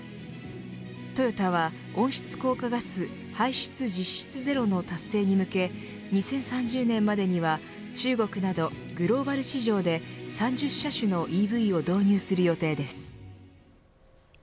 トヨタは、温室効果ガス排出実質ゼロの達成に向け２０３０年までには中国などグローバル市場で３０車種のＥＶを導入する予定です。